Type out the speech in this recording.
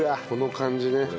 この感じね。